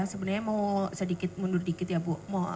sebenarnya mau sedikit mundur dikit ya bu